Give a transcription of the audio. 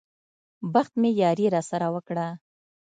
بخت مې ياري راسره وکړه.